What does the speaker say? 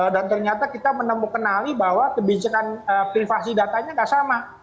dan ternyata kita menemukan bahwa kebijakan privasi datanya tidak sama